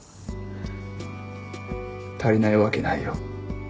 足りないわけないよ。